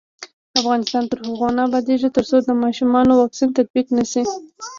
افغانستان تر هغو نه ابادیږي، ترڅو د ماشومانو واکسین تطبیق نشي.